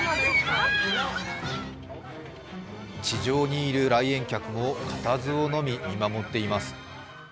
地上にいる来園客も固唾をのみ見守っています